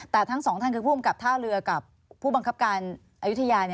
แต่ทั้งสองท่านคือผู้กำกับท่าเรือกับผู้บังคับการอายุทยา